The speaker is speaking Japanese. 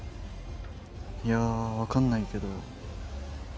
いや分かんないけど。